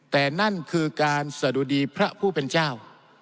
แต่นั่นคือการสะดุดีพระผู้เป็นเจ้า